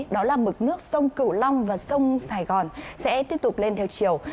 đó là mực nước sông cửu long và sông sài gòn sẽ tiếp tục lên theo chiều